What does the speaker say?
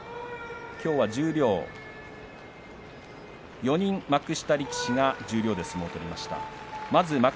きょうは４人幕下力士が十両で相撲を取りました。